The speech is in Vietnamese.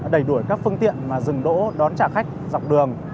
đẩy đuổi các phương tiện mà dừng đỗ đón trả khách dọc đường